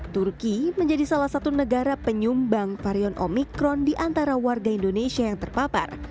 turki menjadi salah satu negara penyumbang varian omikron di antara warga indonesia yang terpapar